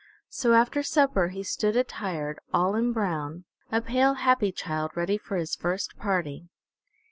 So after supper he stood attired, all in brown, a pale, happy child, ready for his first party.